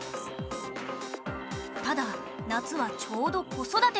ただ夏はちょうど子育ての時期。